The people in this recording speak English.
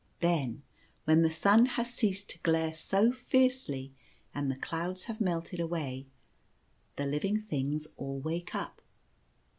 Then, when the sun has ceased to glare so fiercely and the clouds have melted away, the living things all wake up.